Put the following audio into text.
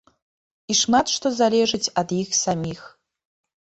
І шмат што залежыць ад іх саміх.